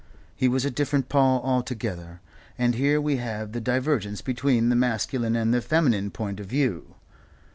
He was a different Paul altogether. And here we have the divergence between the masculine and the feminine point of view.